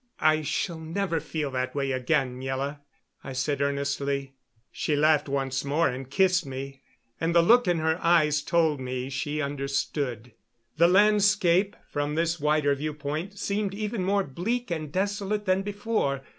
"I shall never feel that way again, Miela," I said earnestly. She laughed once more and kissed me, and the look in her eyes told me she understood. The landscape, from this wider viewpoint, seemed even more bleak and desolate than before.